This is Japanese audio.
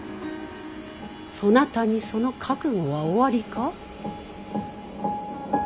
そなたにその覚悟はおありか。